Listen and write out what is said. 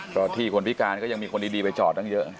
ก็ที่คนพิการก็ยังมีคนดีไปจอดตั้งเยอะ